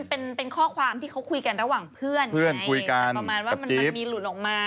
เป็นข้อความที่เขาคุยกันระหว่างเพื่อนไงแต่ประมาณว่ามันมีหลุดออกมา